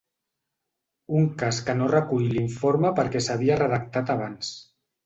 Un cas que no recull l’informe perquè s’havia redactat abans.